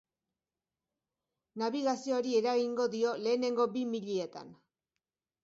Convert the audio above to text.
Nabigazioari eragingo dio, lehenengo bi milietan.